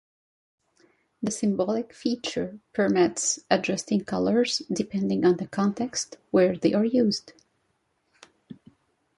The "symbolic" feature permits adjusting colors depending on the context where they are used.